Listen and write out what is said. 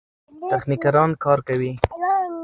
تخنیکران کار کوي.